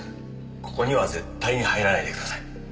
ここには絶対に入らないでください。